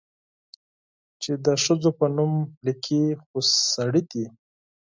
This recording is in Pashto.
چې د ښځو په نوم ليکي، خو سړي دي؟